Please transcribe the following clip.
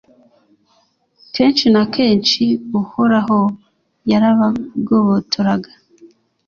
kenshi na kenshi uhoraho yarabagobotoraga